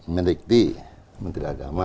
medik di menteri agama